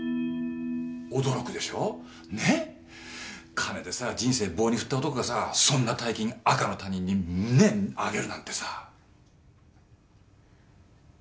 金でさ人生棒に振った男がさそんな大金赤の他人にねぇあげるなんてさ。